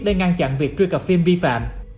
để ngăn chặn việc truy cập phim vi phạm